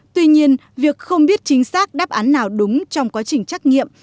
tuy nhiên việc không biết chính xác đáp án nào đúng trong quá trình trắc nghiệm